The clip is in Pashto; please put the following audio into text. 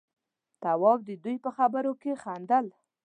تواب د دوي په خبرو کې خندل.